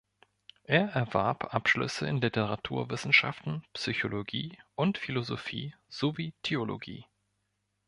Er erwarb Abschlüsse in Literaturwissenschaften, Psychologie und Philosophie sowie Theologie.